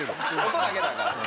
音だけだから。